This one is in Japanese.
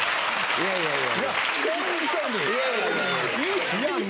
いやいやいや。